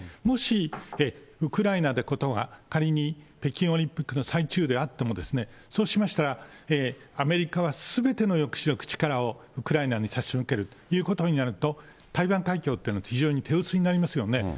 もしウクライナで事が、仮に北京オリンピックの最中であっても、そうしましたら、アメリカはすべての抑止力、力をウクライナに差し向けるということになると、台湾海峡っていうのは非常に手薄になりますよね。